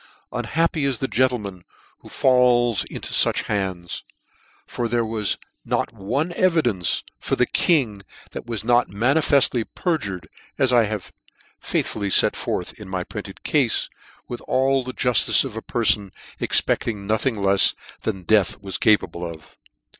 Unhappy is that gentleman who falls into fuch hands $ for there \vas not one evidence for the king that was not manifeftly perjured, as I have faithfully fet forth in my printed cafe, with all the juftice a perfon expelling nothing lefs than death was capable of.